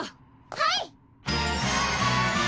はい！